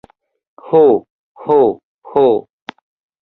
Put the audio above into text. Ho, ho, ho!